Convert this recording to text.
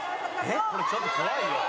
これちょっと怖いよ。